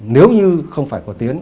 nếu như không phải của tiến